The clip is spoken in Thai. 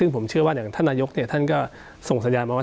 ผมเชื่อว่าถ้านายกท่านส่งสัญญาได้ไหมว่า